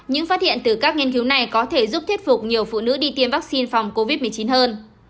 những phát hiện từ các nghiên cứu này có thể giúp thuyết phục nhiều phụ nữ đi tiêm vaccine phòng covid một mươi chín hơn